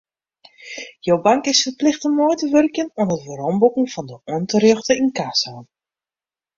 Jo bank is ferplichte mei te wurkjen oan it weromboeken fan de ûnterjochte ynkasso.